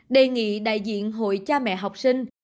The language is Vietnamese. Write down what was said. đề nghị đại diện hội cha mẹ học sinh